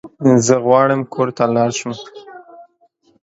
زه غواړم کور ته لاړ شم